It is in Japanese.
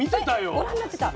え⁉ご覧になってた。